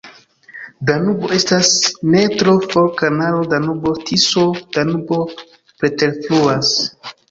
Danubo estas ne tro for, kanalo Danubo-Tiso-Danubo preterfluas.